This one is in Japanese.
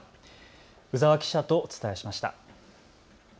鵜澤記者とお伝えしました。